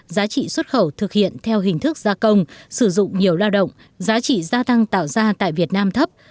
giá trị xuất khẩu thực hiện theo hình thức gia công sử dụng nhiều lao động giá trị gia tăng tạo ra tại việt nam thấp